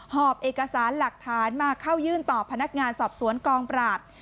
หอบเอกสารหลักฐานมาเข้ายื่นต่อพนักงานสอบสวนกองปราบ